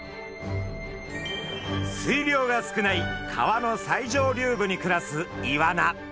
水量が少ない川の最上流部に暮らすイワナ。